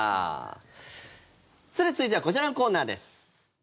さて、続いてはこちらのコーナーです。